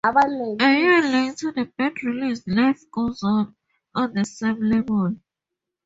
A year later, the band released "Life Goes On" on the same label.